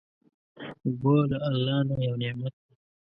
اوبه له الله نه یو نعمت دی.